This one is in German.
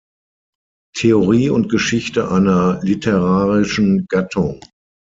Theorie und Geschichte einer literarischen Gattung".